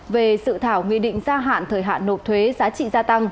về sự thảo nghị định gia hạn thời hạn nộp thuế giá trị gia tăng